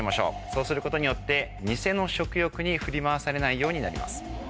そうすることによって偽の食欲に振り回されないようになります。